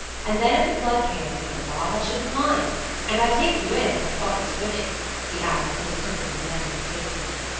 And then if the flood came, you know, Bob, I shouldn't mind. And I'd take you in, if I saw you swimming," he added, in the tone of a benevolent patron.